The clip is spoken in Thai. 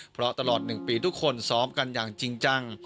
เพราะตลอด๑ปีทุกคนซ้อมกันอย่างจริงจัง